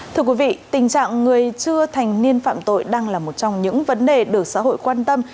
thưa quý vị tình trạng người chưa thành niên phạm tội đang là một trong những vấn đề được xã hội quan tâm